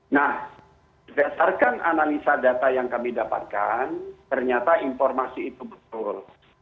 nah berdasarkan analisa data yang kami dapatkan ternyata informasi itu betul